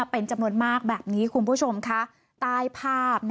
เป็นจำนวนมากแบบงี้คุณผู้ชมค่ะ